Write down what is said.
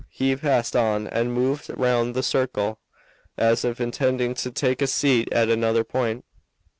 Then he passed on and moved round the circle as if intending to take his seat at another point.